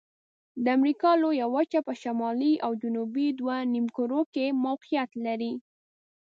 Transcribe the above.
د امریکا لویه وچه په شمالي او جنوبي دوه نیمو کرو کې موقعیت لري.